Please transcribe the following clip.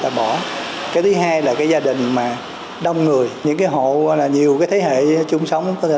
ta bỏ cái thứ hai là cái gia đình mà đông người những cái hộ là nhiều cái thế hệ chung sống có thể